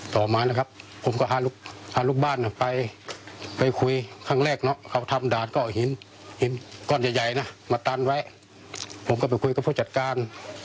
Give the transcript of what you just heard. ผมก็ไปคุยกับผู้จัดการ